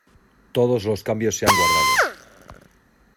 Todos los cambios se han guardado